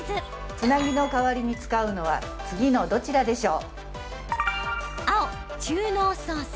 つなぎの代わりに使うのは次のどちらでしょう？